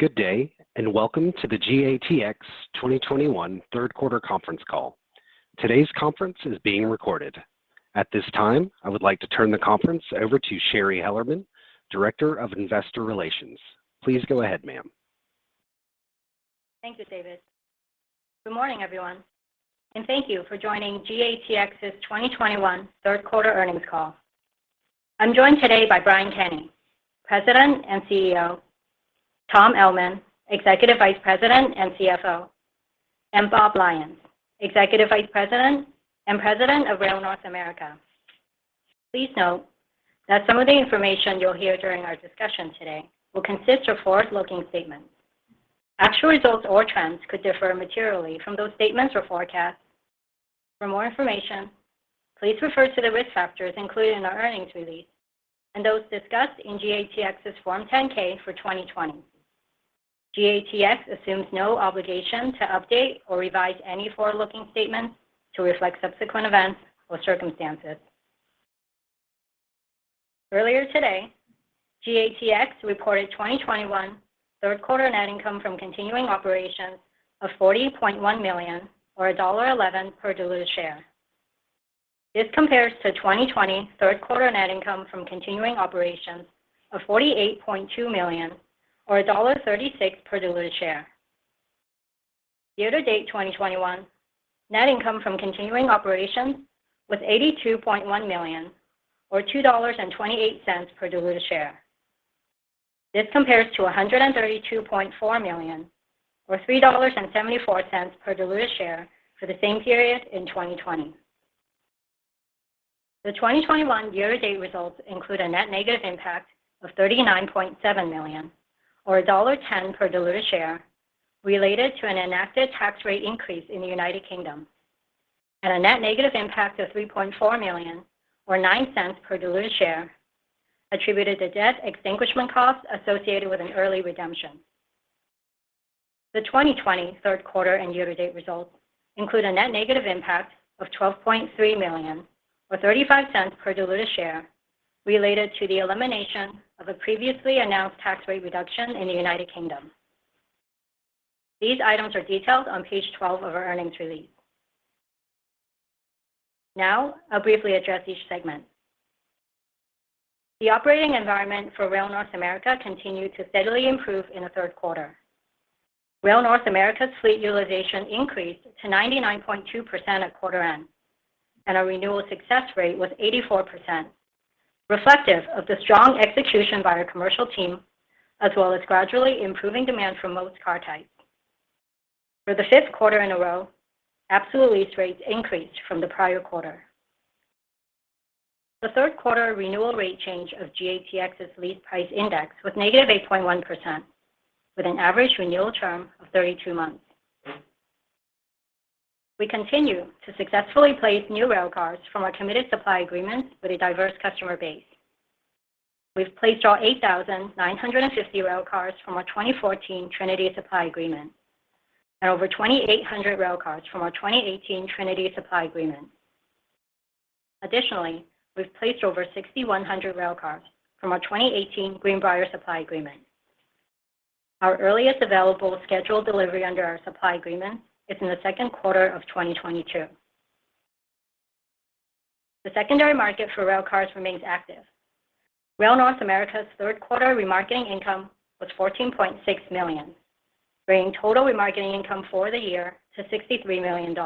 Good day. Welcome to the GATX 2021 Third Quarter Conference Call. Today's conference is being recorded. At this time, I would like to turn the conference over to Shari Hellerman, Director of Investor Relations. Please go ahead, ma'am. Thank you, David. Good morning, everyone, and thank you for joining GATX's 2021 third quarter earnings call. I'm joined today by Brian Kenney, President and CEO, Tom Ellman, Executive Vice President and CFO, and Bob Lyons, Executive Vice President and President of Rail North America. Please note that some of the information you'll hear during our discussion today will consist of forward-looking statements. Actual results or trends could differ materially from those statements or forecasts. For more information, please refer to the risk factors included in our earnings release and those discussed in GATX's Form 10-K for 2020. GATX assumes no obligation to update or revise any forward-looking statements to reflect subsequent events or circumstances. Earlier today, GATX reported 2021 third quarter net income from continuing operations of $40.1 million, or $1.11 per diluted share. This compares to 2020 third quarter net income from continuing operations of $48.2 million, or $1.36 per diluted share. Year-to-date 2021 net income from continuing operations was $82.1 million, or $2.28 per diluted share. This compares to $132.4 million or $3.74 per diluted share for the same period in 2020. The 2021 year-to-date results include a net negative impact of $39.7 million, or $1.10 per diluted share, related to an enacted tax rate increase in the United Kingdom, and a net negative impact of $3.4 million, or $0.09 per diluted share, attributed to debt extinguishment costs associated with an early redemption. The 2020 third quarter and year-to-date results include a net negative impact of $12.3 million, or $0.35 per diluted share, related to the elimination of a previously announced tax rate reduction in the United Kingdom. These items are detailed on page 12 of our earnings release. Now, I'll briefly address each segment. The operating environment for Rail North America continued to steadily improve in the third quarter. Rail North America's fleet utilization increased to 99.2% at quarter end, and our renewal success rate was 84%, reflective of the strong execution by our commercial team, as well as gradually improving demand for most car types. For the fifth quarter in a row, absolute lease rates increased from the prior quarter. The third quarter renewal rate change of GATX's Lease Price Index was -8.1%, with an average renewal term of 32 months. We continue to successfully place new railcars from our committed supply agreements with a diverse customer base. We've placed our 8,950 railcars from our 2014 Trinity supply agreement and over 2,800 railcars from our 2018 Trinity supply agreement. Additionally, we've placed over 6,100 railcars from our 2018 Greenbrier supply agreement. Our earliest available scheduled delivery under our supply agreement is in the second quarter of 2022. The secondary market for railcars remains active. Rail North America's third quarter remarketing income was $14.6 million, bringing total remarketing income for the year to $63 million.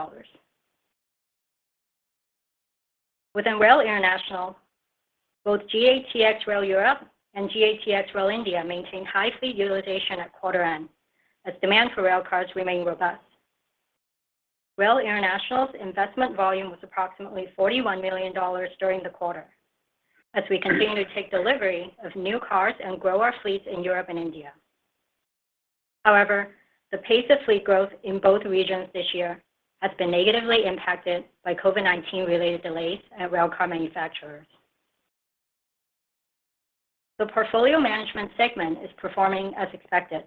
Within Rail International, both GATX Rail Europe and GATX Rail India maintained high fleet utilization at quarter end, as demand for railcars remained robust. Rail International's investment volume was approximately $41 million during the quarter as we continue to take delivery of new cars and grow our fleets in Europe and India. The pace of fleet growth in both regions this year has been negatively impacted by COVID-19 related delays at railcar manufacturers. The portfolio management segment is performing as expected.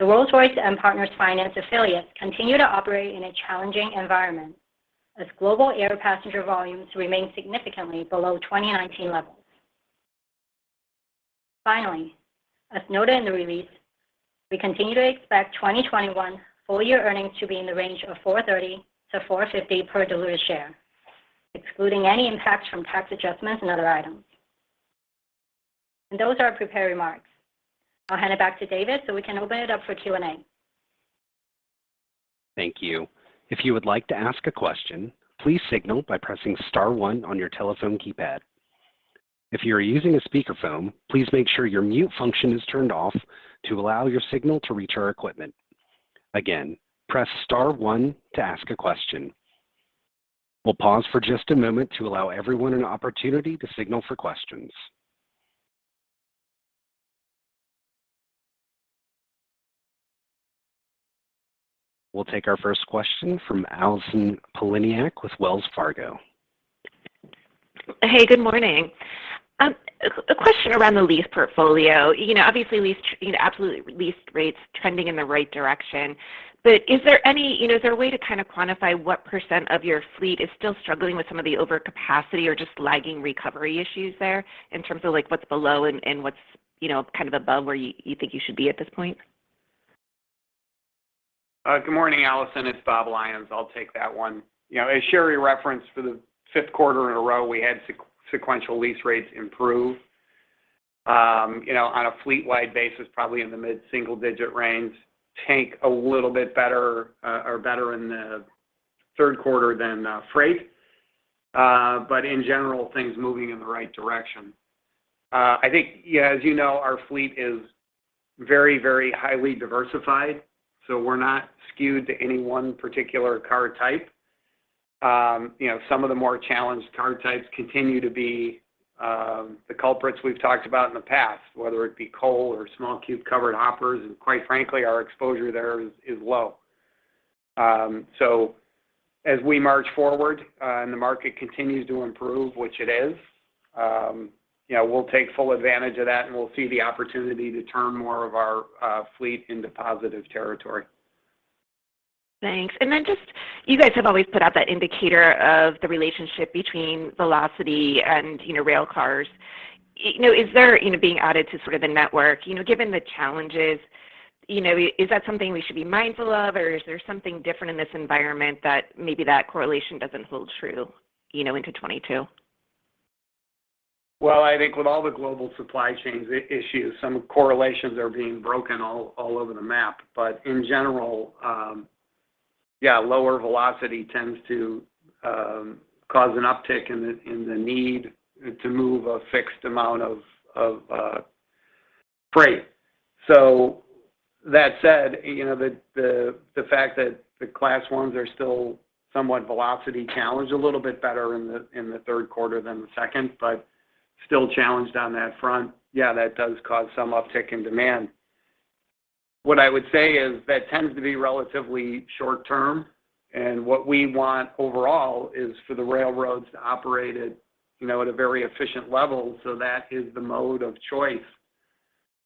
The Rolls-Royce & Partners Finance affiliates continue to operate in a challenging environment as global air passenger volumes remain significantly below 2019 levels. Finally, as noted in the release, we continue to expect 2021 full-year earnings to be in the range of $4.30-$4.50 per diluted share, excluding any impacts from tax adjustments and other items. Those are our prepared remarks. I'll hand it back to David so we can open it up for Q&A. We'll take our first question from Allison Poliniak with Wells Fargo. Hey, good morning. A question around the lease portfolio. Obviously, absolute lease rates trending in the right direction. Is there a way to kind of quantify what percent of your fleet is still struggling with some of the overcapacity or just lagging recovery issues there in terms of what's below and what's kind of above where you think you should be at this point? Good morning, Allison. It's Bob Lyons. I'll take that one. As Shari referenced, for the fifth quarter in a row, we had sequential lease rates improve. On a fleet-wide basis, probably in the mid-single digit range. Tank a little bit better, or better in the third quarter than freight. In general, things moving in the right direction. I think, as you know, our fleet is very, very highly diversified, so we're not skewed to any one particular car type. Some of the more challenged car types continue to be the culprits we've talked about in the past, whether it be coal or small cube covered hoppers, and quite frankly, our exposure there is low. As we march forward and the market continues to improve, which it is, we'll take full advantage of that, and we'll see the opportunity to turn more of our fleet into positive territory. Thanks. Then just, you guys have always put out that indicator of the relationship between velocity and rail cars being added to the network. Given the challenges, is that something we should be mindful of, or is there something different in this environment that maybe that correlation doesn't hold true into 2022? Well, I think with all the global supply chains issues, some correlations are being broken all over the map. In general, yeah, lower velocity tends to cause an uptick in the need to move a fixed amount of freight. That said, the fact that the Class I railroads are still somewhat velocity challenged, a little bit better in the third quarter than the second, but still challenged on that front. That does cause some uptick in demand. What I would say is that tends to be relatively short-term, and what we want overall is for the railroads to operate at a very efficient level so that is the mode of choice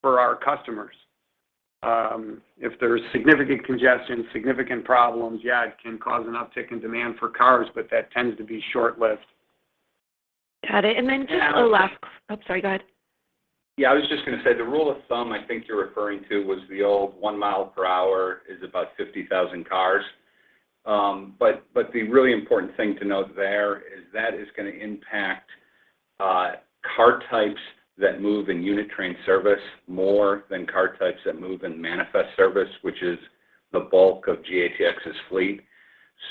for our customers. If there's significant congestion, significant problems, it can cause an uptick in demand for cars, but that tends to be short-lived. Got it. Oh, sorry, go ahead. Yeah, I was just going to say, the rule of thumb I think you're referring to was the old 1 mi per hour is about 50,000 cars. The really important thing to note there is that is going to impact car types that move in unit train service more than car types that move in manifest service, which is the bulk of GATX's fleet.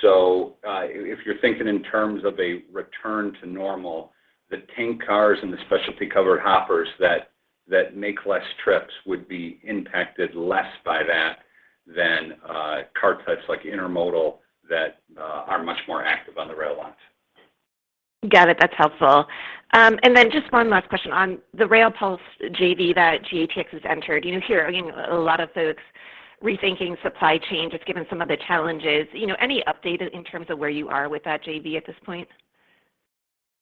If you're thinking in terms of a return to normal, the tank cars and the specialty covered hoppers that make less trips would be impacted less by that than car types like intermodal that are much more active on the rail lines. Got it. That's helpful. Just one last question on the RailPulse JV that GATX has entered. You hear a lot of folks rethinking supply chains just given some of the challenges. Any update in terms of where you are with that JV at this point?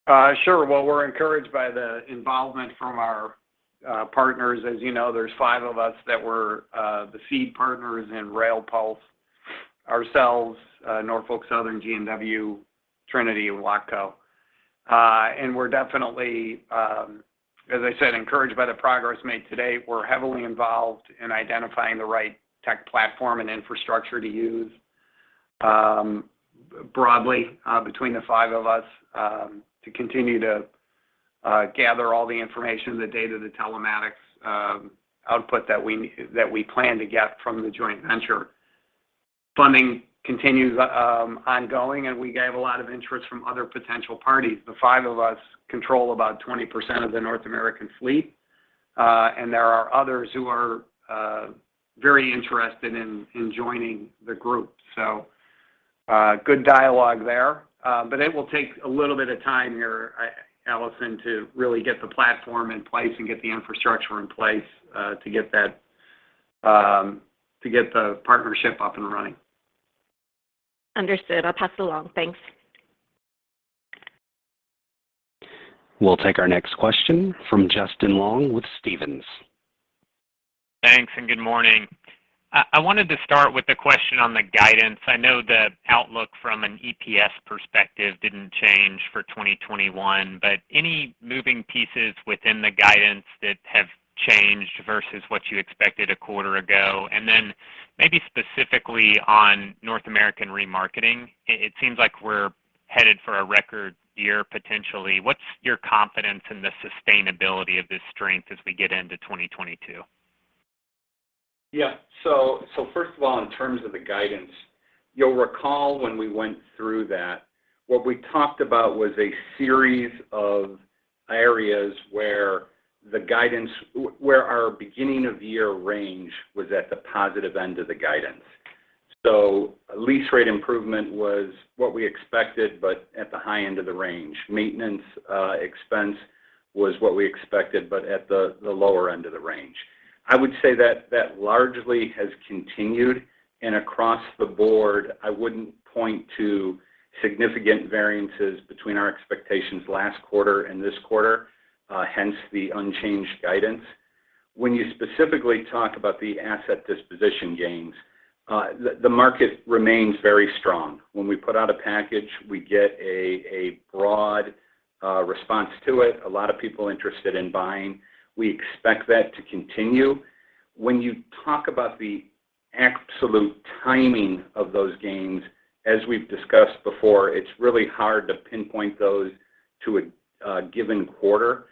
Well, we're encouraged by the involvement from our partners. As you know, there's five of us that were the seed partners in RailPulse. Ourselves, Norfolk Southern, G&W, Trinity and Watco. We're definitely, as I said, encouraged by the progress made to date. We're heavily involved in identifying the right tech platform and infrastructure to use broadly between the five of us, to continue to gather all the information, the data, the telematics output that we plan to get from the joint venture. Funding continues ongoing, and we get a lot of interest from other potential parties. The five of us control about 20% of the North American fleet, and there are others who are very interested in joining the group. Good dialogue there. It will take a little bit of time here, Allison, to really get the platform in place and get the infrastructure in place to get the partnership up and running. Understood. I'll pass it along. Thanks. We'll take our next question from Justin Long with Stephens. Thanks. Good morning. I wanted to start with a question on the guidance. I know the outlook from an EPS perspective didn't change for 2021. Any moving pieces within the guidance that have changed versus what you expected a quarter ago? Maybe specifically on North American Remarketing, it seems like we're headed for a record year, potentially. What's your confidence in the sustainability of this strength as we get into 2022? Yeah. First of all, in terms of the guidance, you'll recall when we went through that, what we talked about was a series of areas where our beginning of year range was at the positive end of the guidance. Lease rate improvement was what we expected, but at the high end of the range. Maintenance expense was what we expected, but at the lower end of the range. I would say that largely has continued, and across the board, I wouldn't point to significant variances between our expectations last quarter and this quarter, hence the unchanged guidance. When you specifically talk about the asset disposition gains, the market remains very strong. When we put out a package, we get a broad A response to it. A lot of people interested in buying. We expect that to continue. When you talk about the absolute timing of those gains, as we've discussed before, it's really hard to pinpoint those to a given quarter.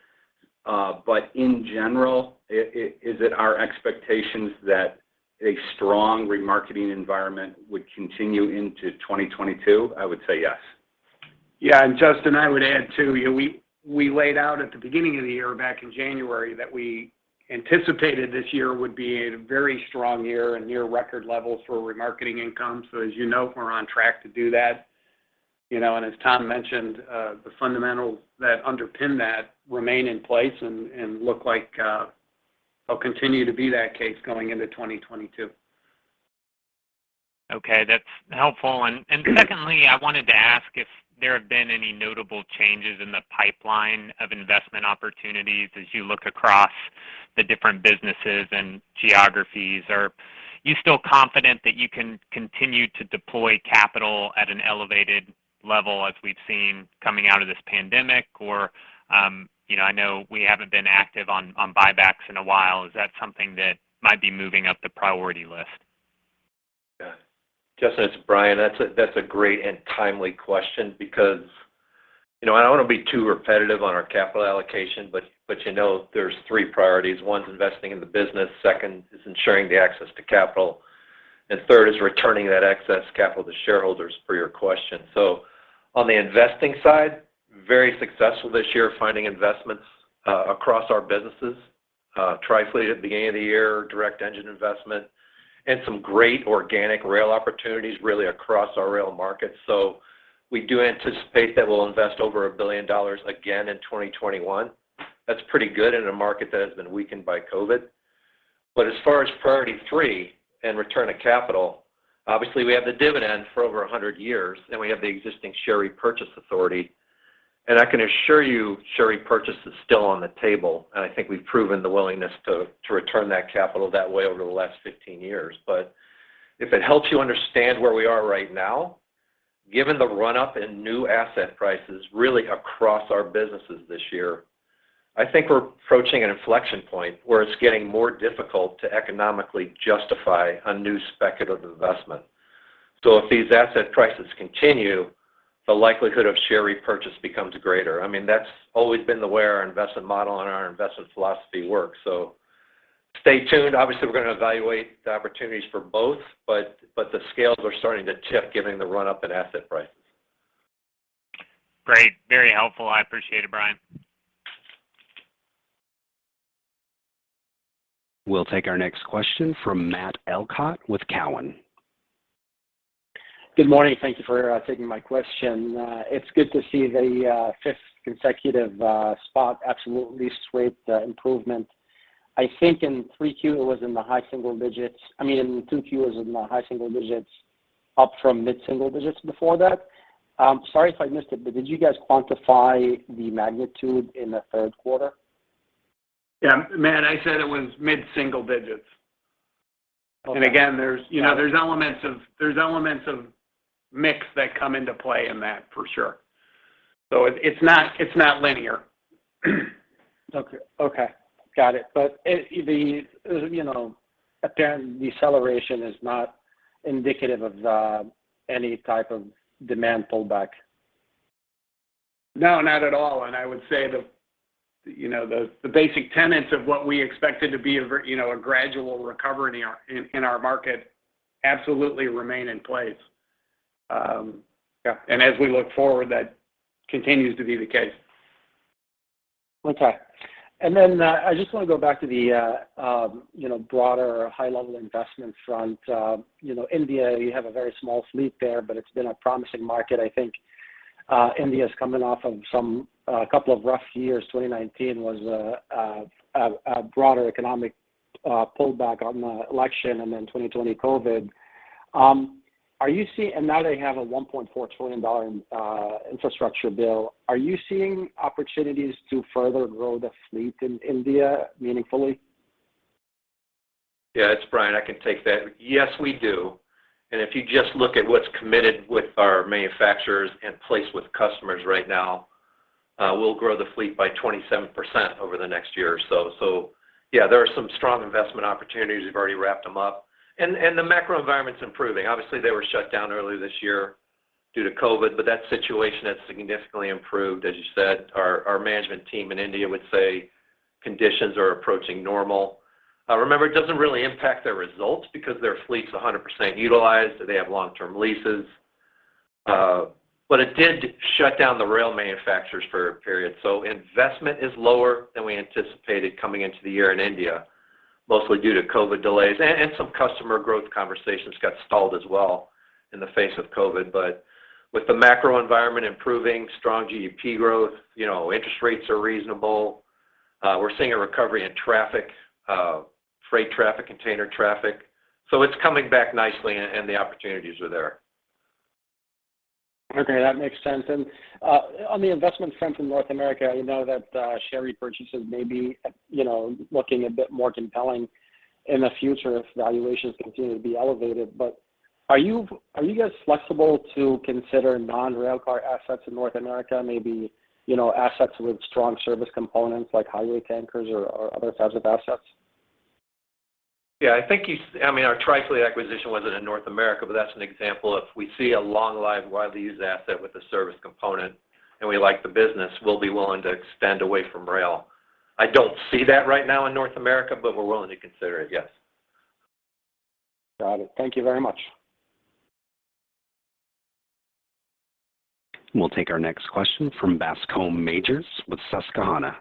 In general, is it our expectations that a strong remarketing environment would continue into 2022? I would say yes. Justin, I would add too, we laid out at the beginning of the year back in January that we anticipated this year would be a very strong year and near record levels for remarketing income. As you know, we're on track to do that. As Tom mentioned, the fundamentals that underpin that remain in place and look like they'll continue to be that case going into 2022. Okay, that's helpful. Secondly, I wanted to ask if there have been any notable changes in the pipeline of investment opportunities as you look across the different businesses and geographies. Are you still confident that you can continue to deploy capital at an elevated level as we've seen coming out of this pandemic? I know we haven't been active on buybacks in a while. Is that something that might be moving up the priority list? Justin, it's Brian. That's a great and timely question because I don't want to be too repetitive on our capital allocation, you know there are three priorities. One's investing in the business, second is ensuring the access to capital, and third is returning that excess capital to shareholders per your question. On the investing side, very successful this year finding investments across our businesses. Trifleet at the beginning of the year, direct engine investment, and some great organic rail opportunities really across our rail markets. We do anticipate that we'll invest over $1 billion again in 2021. That's pretty good in a market that has been weakened by COVID. As far as priority three and return of capital, obviously we have the dividend for over 100 years, and we have the existing share repurchase authority. I can assure you share repurchase is still on the table, and I think we've proven the willingness to return that capital that way over the last 15 years. If it helps you understand where we are right now, given the run-up in new asset prices really across our businesses this year, I think we're approaching an inflection point where it's getting more difficult to economically justify a new speculative investment. If these asset prices continue, the likelihood of share repurchase becomes greater. That's always been the way our investment model and our investment philosophy works. Stay tuned. Obviously, we're going to evaluate the opportunities for both, but the scales are starting to tip given the run-up in asset prices. Great. Very helpful. I appreciate it, Brian. We'll take our next question from Matt Elkott with Cowen. Good morning. Thank you for taking my question. It's good to see the fifth consecutive spot absolutely sweep the improvement. I think in 3Q, it was in the high single digits. I mean, in 2Q it was in the high single digits up from mid-single digits before that. Sorry if I missed it, but did you guys quantify the magnitude in the third quarter? Yeah, Matt, I said it was mid-single digits. Okay. Again, there's elements of mix that come into play in that for sure. It's not linear. Okay. Got it. The apparent deceleration is not indicative of any type of demand pullback? No, not at all. I would say the basic tenets of what we expected to be a gradual recovery in our market absolutely remain in place. Yeah. As we look forward, that continues to be the case. Okay. I just want to go back to the broader high-level investment front. India, you have a very small fleet there, but it's been a promising market. I think India's coming off of a couple of rough years. 2019 was a broader economic pullback on the election. 2020, COVID. They have a $1.4 trillion infrastructure bill. Are you seeing opportunities to further grow the fleet in India meaningfully? Yeah, it's Brian. I can take that. Yes, we do. If you just look at what's committed with our manufacturers and placed with customers right now, we'll grow the fleet by 27% over the next year or so. Yeah, there are some strong investment opportunities. We've already wrapped them up. The macro environment's improving. Obviously, they were shut down early this year due to COVID, but that situation has significantly improved. As you said, our management team in India would say conditions are approaching normal. Remember, it doesn't really impact their results because their fleet's 100% utilized, they have long-term leases. It did shut down the rail manufacturers for a period. Investment is lower than we anticipated coming into the year in India, mostly due to COVID delays and some customer growth conversations got stalled as well in the face of COVID. With the macro environment improving, strong GDP growth, interest rates are reasonable. We're seeing a recovery in traffic, freight traffic, container traffic. It's coming back nicely, and the opportunities are there. Okay, that makes sense. On the investment front in Rail North America, I know that share repurchases may be looking a bit more compelling in the future if valuations continue to be elevated. Are you guys flexible to consider non-railcar assets in Rail North America, maybe assets with strong service components like highway tankers or other types of assets? Yeah. Our Trifleet acquisition wasn't in North America, but that's an example. If we see a long-lived, widely used asset with a service component and we like the business, we'll be willing to extend away from rail. I don't see that right now in North America, but we're willing to consider it, yes. Got it. Thank you very much. We'll take our next question from Bascome Majors with Susquehanna.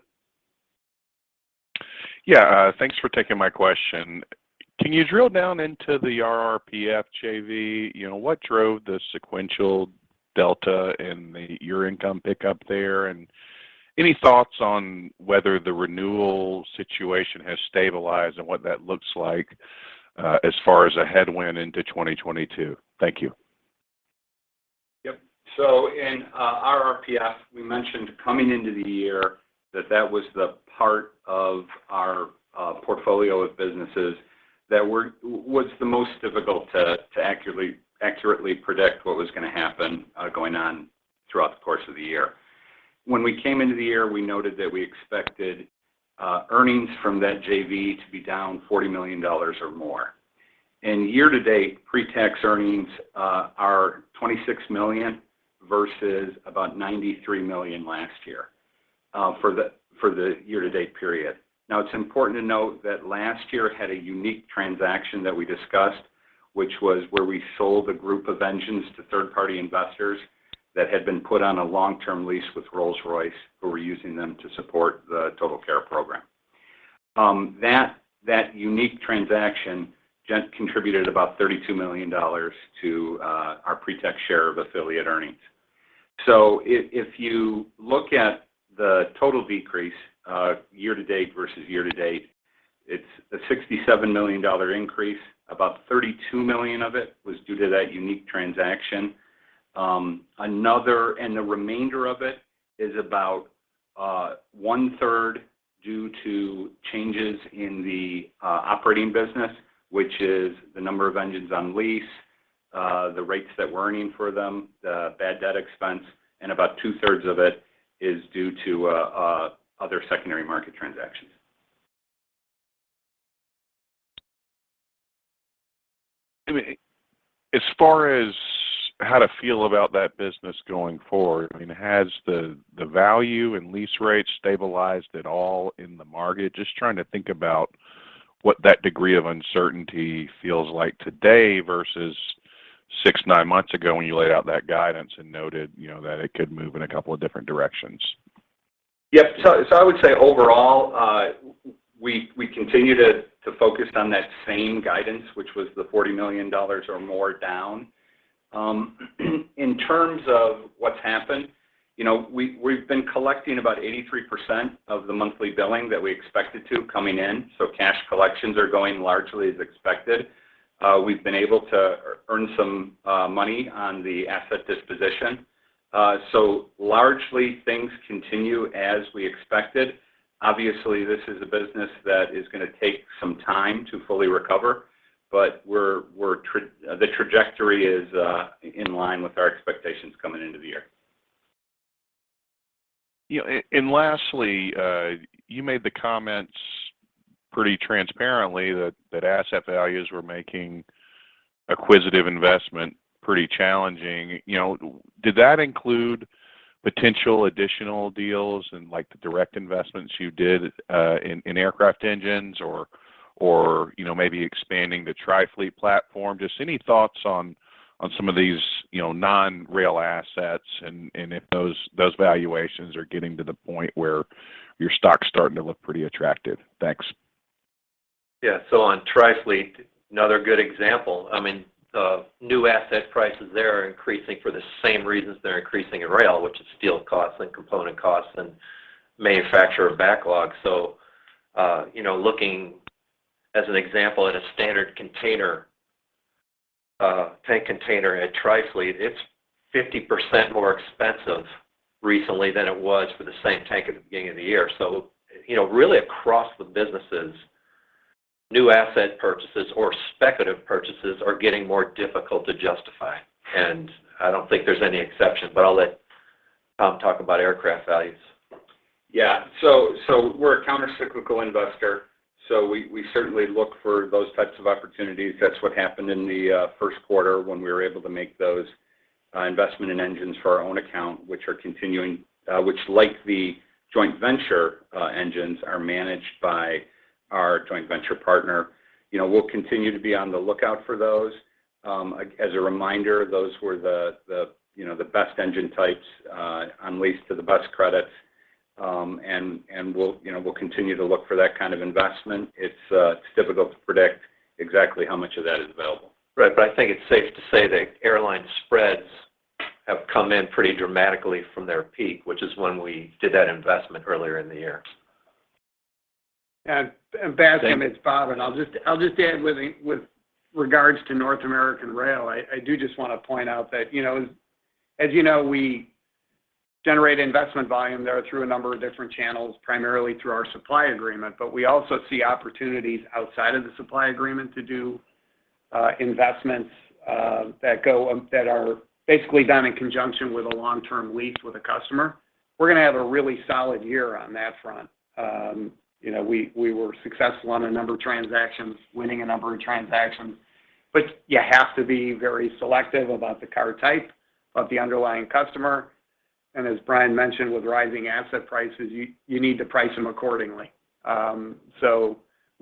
Thanks for taking my question. Can you drill down into the RRPF JV? What drove the sequential delta in the year income pickup there? Any thoughts on whether the renewal situation has stabilized and what that looks like as far as a headwind into 2022? Thank you. Yep. In RRPF, we mentioned coming into the year that that was the part of our portfolio of businesses that was the most difficult to accurately predict what was going to happen going on throughout the course of the year. When we came into the year, we noted that we expected earnings from that JV to be down $40 million or more. Year-to-date, pre-tax earnings are $26 million versus about $93 million last year for the year to date period. It's important to note that last year had a unique transaction that we discussed, which was where we sold a group of engines to third-party investors that had been put on a one term lease with Rolls-Royce, who were using them to support the TotalCare program. That unique transaction contributed about $32 million to our pre-tax share of affiliate earnings. If you look at the total decrease year-to-date versus year-to-date, it's a $67 million increase. About $32 million of it was due to that unique transaction. The remainder of it is about one third due to changes in the operating business, which is the number of engines on lease, the rates that we're earning for them, the bad debt expense, and about two thirds of it is due to other secondary market transactions. As far as how to feel about that business going forward, has the value and lease rates stabilized at all in the market? Trying to think about what that degree of uncertainty feels like today versus six, nine months ago when you laid out that guidance and noted that it could move in couple different directions. Yep. I would say overall, we continue to focus on that same guidance, which was the $40 million or more down. In terms of what's happened, we've been collecting about 83% of the monthly billing that we expected to coming in, so cash collections are going largely as expected. We've been able to earn some money on the asset disposition. Largely, things continue as we expected. Obviously, this is a business that is going to take some time to fully recover, but the trajectory is in line with our expectations coming into the year. Lastly, you made the comments pretty transparently that asset values were making acquisitive investment pretty challenging. Did that include potential additional deals and the direct investments you did in aircraft engines or maybe expanding the Trifleet platform? Just any thoughts on some of these non-rail assets and if those valuations are getting to the point where your stock's starting to look pretty attractive. Thanks. On Trifleet, another good example. New asset prices there are increasing for the same reasons they're increasing in rail, which is steel costs and component costs and manufacturer backlog. Looking as an example at a standard container, tank container at Trifleet, it's 50% more expensive recently than it was for the same tank at the beginning of the year. Really across the businesses, new asset purchases or speculative purchases are getting more difficult to justify, and I don't think there's any exception, but I'll let Tom talk about aircraft values. We're a counter-cyclical investor, so we certainly look for those types of opportunities. That's what happened in the first quarter when we were able to make those investment in engines for our own account, which like the joint venture engines, are managed by our joint venture partner. We'll continue to be on the lookout for those. As a reminder, those were the best engine types on lease to the best credits. We'll continue to look for that kind of investment. It's difficult to predict exactly how much of that is available. Right. I think it's safe to say that airline spreads have come in pretty dramatically from their peak, which is when we did that investment earlier in the year. Bascome, it's Bob, and I'll just add with regards to North American rail, I do just want to point out that, as you know, we generate investment volume there through a number of different channels, primarily through our supply agreement. We also see opportunities outside of the supply agreement to do investments that are basically done in conjunction with a long-term lease with a customer. We're going to have a really solid year on that front. We were successful on a number of transactions, winning a number of transactions, you have to be very selective about the car type, about the underlying customer, and as Brian mentioned, with rising asset prices, you need to price them accordingly.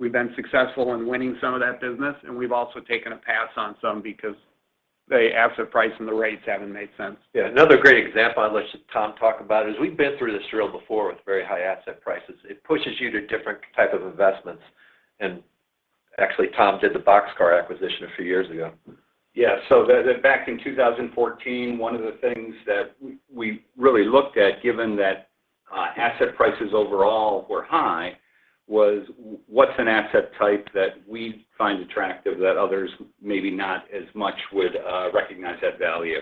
We've been successful in winning some of that business, and we've also taken a pass on some because the asset price and the rates haven't made sense. Yeah. Another great example I'd let Tom talk about is we've been through this drill before with very high asset prices. It pushes you to different type of investments, and actually, Tom did the boxcar acquisition a few years ago. Yeah. Back in 2014, one of the things that we really looked at, given that asset prices overall were high, was what's an asset type that we find attractive that others, maybe not as much, would recognize that value?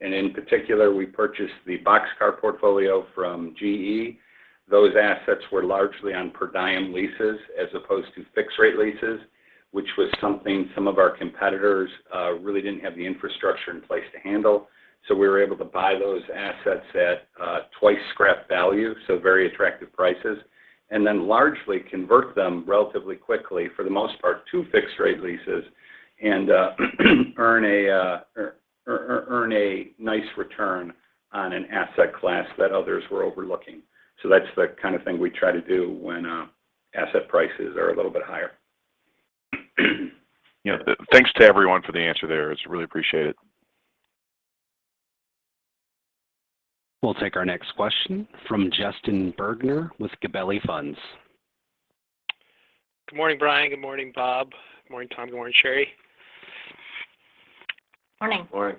In particular, we purchased the boxcar portfolio from GE. Those assets were largely on per diem leases as opposed to fixed-rate leases, which was something some of our competitors really didn't have the infrastructure in place to handle. We were able to buy those assets at twice of scrap values, very attractive prices, and then largely convert them relatively quickly, for the most part, to fixed-rate leases and earn a nice return on an asset class that others were overlooking. That's the kind of thing we try to do when asset prices are a little bit higher. Yeah. Thanks to everyone for the answer there. It's really appreciated. We'll take our next question from Justin Bergner with Gabelli Funds. Good morning, Brian. Good morning, Bob. Good morning, Tom. Good morning, Shari. Morning. Morning.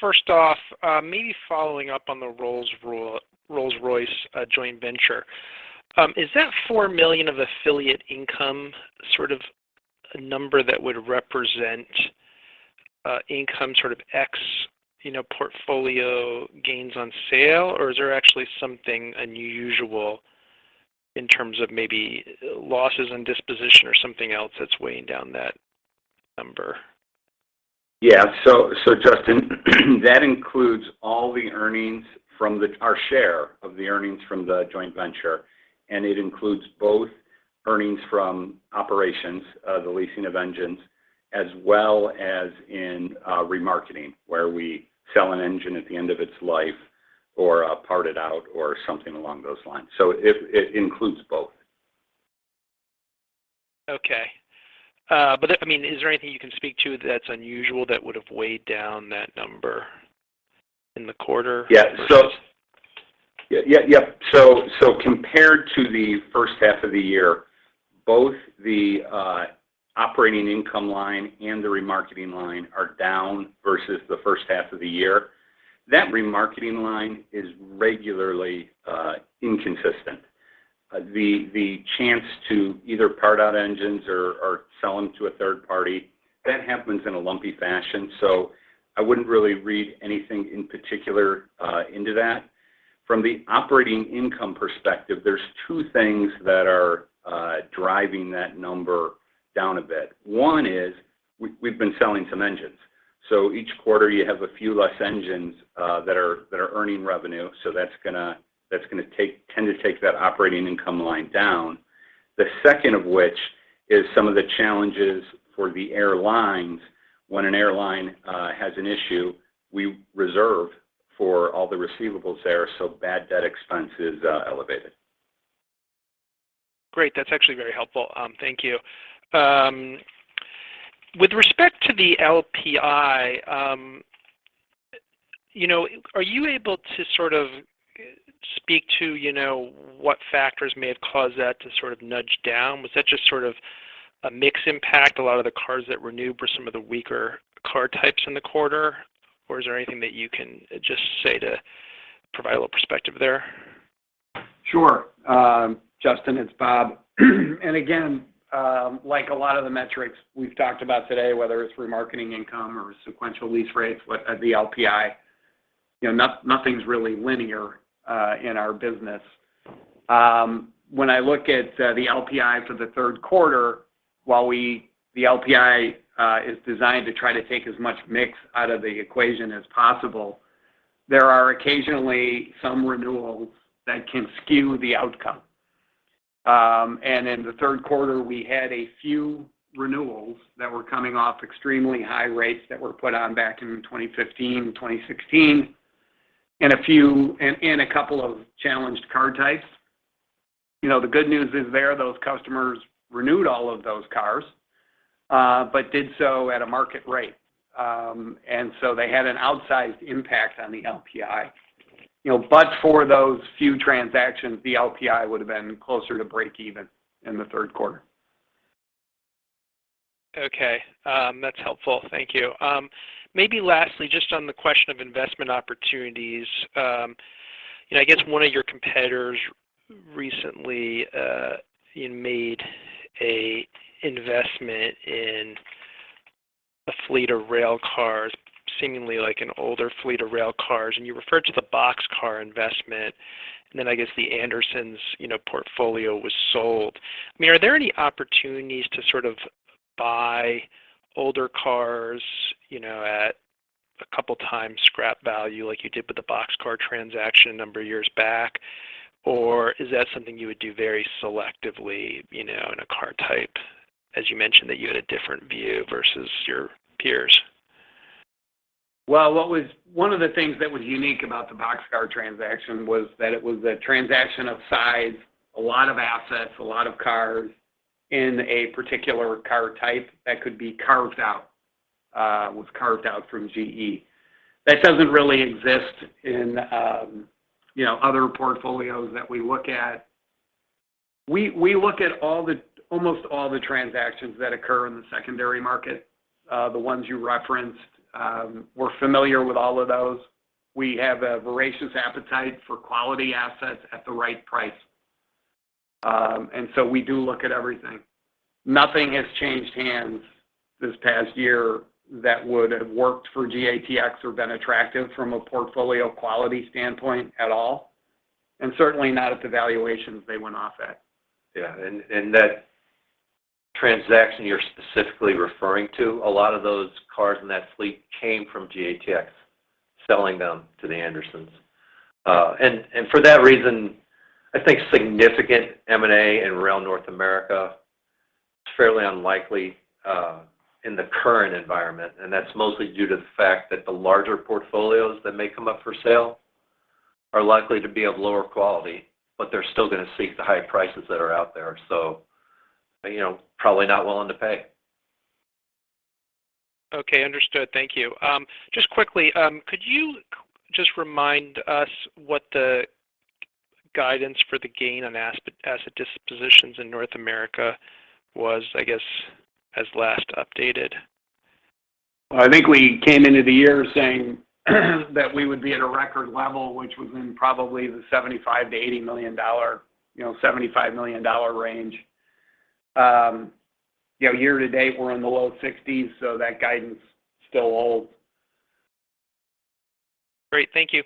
First off, maybe following up on the Rolls-Royce joint venture. Is that $4 million of affiliate income sort of a number that would represent income sort of ex-portfolio gains on sale, or is there actually something unusual in terms of maybe losses on disposition or something else that's weighing down that number? Yeah. Justin, that includes all our share of the earnings from the joint venture, and it includes both earnings from operations, the leasing of engines, as well as in remarketing, where we sell an engine at the end of its life or part it out or something along those lines. It includes both. Okay. Is there anything you can speak to that's unusual that would have weighed down that number in the quarter versus? Yeah. Compared to the first half of the year, both the operating income line and the remarketing line are down versus the first half of the year. That remarketing line is regularly inconsistent. The chance to either part out engines or sell them to a third party, that happens in a lumpy fashion. I wouldn't really read anything in particular into that. From the operating income perspective, there's two things that are driving that number down a bit. One is we've been selling some engines. Each quarter, you have a few less engines that are earning revenue, so that's going to tend to take that operating income line down. The second of which is some of the challenges for the airlines. When an airline has an issue, we reserve for all the receivables there, so bad debt expense is elevated. Great. That's actually very helpful. Thank you. With respect to the LPI, are you able to sort of speak to what factors may have caused that to sort of nudge down? Was that just sort of a mix impact, a lot of the cars that renewed were some of the weaker car types in the quarter, or is there anything that you can just say to provide a little perspective there? Sure. Justin, it's Bob. Again, like a lot of the metrics we've talked about today, whether it's remarketing income or sequential lease rates, the LPI, nothing's really linear in our business. When I look at the LPI for the third quarter, while the LPI is designed to try to take as much mix out of the equation as possible, there are occasionally some renewals that can skew the outcome. In the third quarter, we had a few renewals that were coming off extremely high rates that were put on back in 2015 and 2016, and a couple of challenged car types. The good news is there, those customers renewed all of those cars, did so at a market rate. They had an outsized impact on the LPI. For those few transactions, the LPI would have been closer to breakeven in the third quarter. Okay. That's helpful. Thank you. Maybe lastly, just on the question of investment opportunities. I guess one of your competitors recently made an investment in a fleet of rail cars, seemingly like an older fleet of rail cars, and you referred to the boxcar investment, and then I guess The Andersons portfolio was sold. Are there any opportunities to sort of buy older cars at a couple times scrap value like you did with the boxcar transaction a number of years back, or is that something you would do very selectively in a car type, as you mentioned that you had a different view versus your peers? One of the things that was unique about the boxcar transaction was that it was a transaction of size, a lot of assets, a lot of cars in a particular car type that was carved out from GE. That doesn't really exist in other portfolios that we look at. We look at almost all the transactions that occur in the secondary market. The ones you referenced, we're familiar with all of those. We have a voracious appetite for quality assets at the right price. We do look at everything. Nothing has changed hands this past year that would have worked for GATX or been attractive from a portfolio quality standpoint at all, and certainly not at the valuations they went off at. Yeah, that transaction you're specifically referring to, a lot of those cars in that fleet came from GATX selling them to The Andersons. For that reason, I think significant M&A in Rail North America is fairly unlikely in the current environment. That's mostly due to the fact that the larger portfolios that may come up for sale are likely to be of lower quality, but they're still going to seek the high prices that are out there. Probably not willing to pay. Okay, understood. Thank you. Just quickly, could you just remind us what the guidance for the gain on asset dispositions in North America was, I guess, as last updated? I think we came into the year saying that we would be at a record level, which was in probably the $75 million-$80 million range. Year to date, we're in the low 60s. That guidance still holds. Great. Thank you.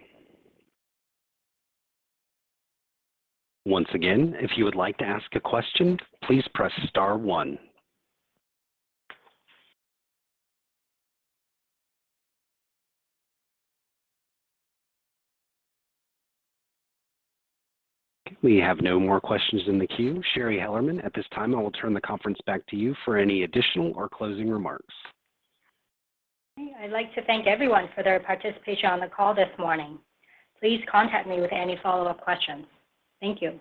Once again, if you would like to ask a question, please press star one. We have no more questions in the queue. Shari Hellerman, at this time, I will turn the conference back to you for any additional or closing remarks. Okay. I'd like to thank everyone for their participation on the call this morning. Please contact me with any follow-up questions. Thank you.